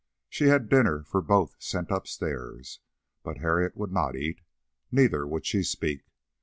She had dinner for both sent upstairs, but Harriet would not eat; neither would she speak.